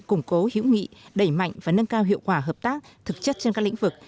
củng cố hữu nghị đẩy mạnh và nâng cao hiệu quả hợp tác thực chất trên các lĩnh vực